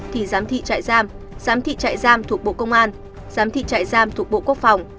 thì giám thị chạy giam giám thị chạy giam thuộc bộ công an giám thị chạy giam thuộc bộ quốc phòng